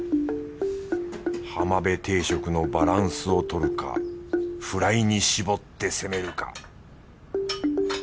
はまべ定食のバランスをとるかフライに絞って攻めるか